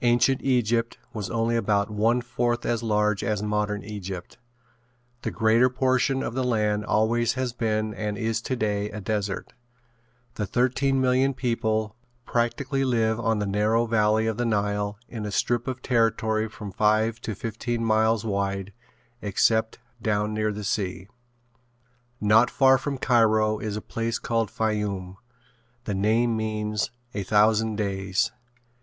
Ancient Egypt was only about one fourth as large as modern Egypt. The greater portion of the land always has been and is today a desert. The thirteen million people practically live on the narrow valley of the Nile in a strip of territory from five to fifteen miles wide except down near the sea. Not far from Cairo is a place called Fayoum. The name means "A Thousand Days."